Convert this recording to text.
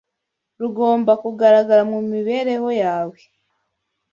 Rugomba kugaragara mu mibereho yawe.